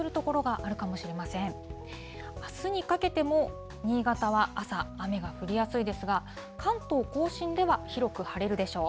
あすにかけても新潟は朝、雨が降りやすいですが、関東甲信では広く晴れるでしょう。